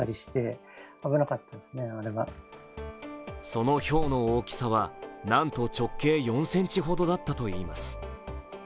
そのひょうの大きさは、なんと直径４ｃｍほどだったといいます。